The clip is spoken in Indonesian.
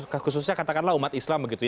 khususnya katakanlah umat islam